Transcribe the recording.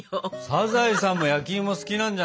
サザエさんも焼きいも好きなんじゃないの。